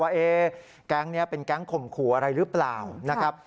ว่าแก๊งนี้เป็นแก๊งข่มขู่อะไรหรือเปล่านะครับ